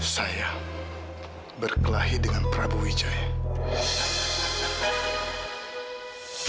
saya berkelahi dengan prabu wijaya